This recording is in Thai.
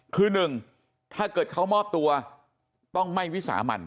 คือหนึ่งถ้าเกิดเขามอบตัวต้องไม่วิสามัน